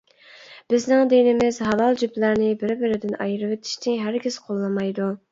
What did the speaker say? بىزنىڭ دىنىمىز ھالال جۈپلەرنى بىر-بىرىدىن ئايرىۋېتىشنى ھەرگىز قوللىمايدۇ.